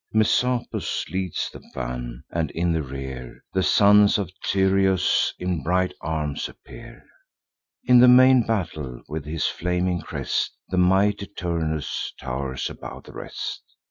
Messapus leads the van; and, in the rear, The sons of Tyrrheus in bright arms appear. In the main battle, with his flaming crest, The mighty Turnus tow'rs above the rest.